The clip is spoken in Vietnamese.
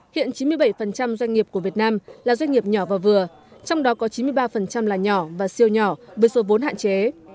hiện chín mươi bảy doanh nghiệp của việt nam là doanh nghiệp nhỏ và vừa trong đó có chín mươi ba là nhỏ và siêu nhỏ với số vốn hạn chế